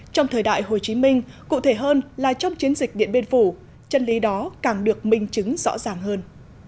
trong thời đại hồ chí minh cụ thể hơn là trong chiến dịch điện biên phủ chân lý đó càng được minh chứng rõ ràng hơn